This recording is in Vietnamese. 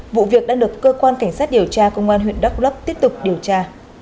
vụ việc đã được cơ quan cảnh sát điều tra công an huyện đắk lấp tiếp tục điều tra